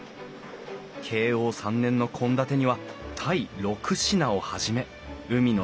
慶応３年の献立には鯛６品を始め海の幸が１４種。